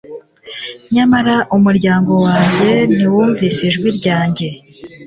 nyamara, umuryango wanjye ntiwumvise ijwi ryanjye